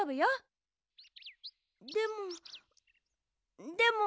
でもでも。